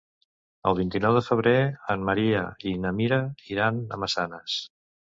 El vint-i-nou de febrer en Maria i na Mira iran a Massanes.